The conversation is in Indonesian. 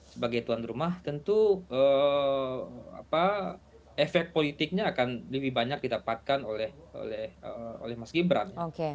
sebagai tuan rumah tentu efek politiknya akan lebih banyak didapatkan oleh mas gibran